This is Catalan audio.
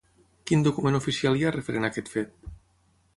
Quin document oficial hi ha referent a aquest fet?